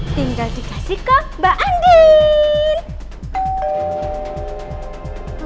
tinggal dikasih ke mbak andi